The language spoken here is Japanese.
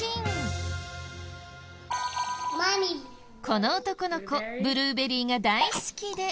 この男の子ブルーベリーが大好きで。